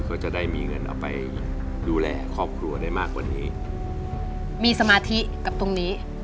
เขาจะได้มีเงินเอาไปดูแลครอบครัวได้มากกว่านี้มีสมาธิกับตรงนี้